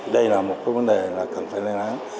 đây là một vấn đề cần phải đánh án